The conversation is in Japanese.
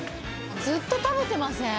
「ずっと食べてません？」